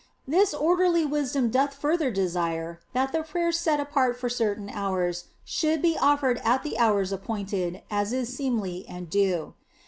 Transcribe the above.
This orderly wisdom doth further desire that the prayers set apart for certain hours should be offered at the hours appointed, as is seemly and due.